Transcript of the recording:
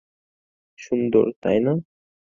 সুন্দর, তাই না?